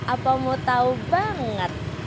apa mau tahu banget